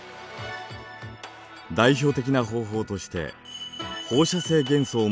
代表的な方法として放射性元素を用いたものがあります。